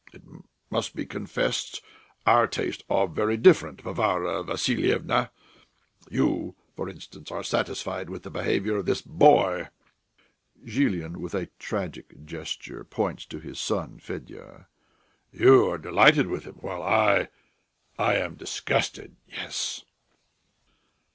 It must be confessed our tastes are very different, Varvara Vassilyevna. You, for instance, are satisfied with the behaviour of this boy" (Zhilin with a tragic gesture points to his son Fedya); "you are delighted with him, while I ... I am disgusted. Yes!"